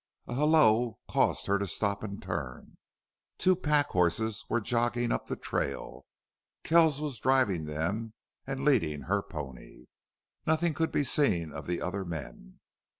A halloo caused her to stop and turn. Two pack horses were jogging up the trail. Kells was driving them and leading her pony. Nothing could be seen of the other men.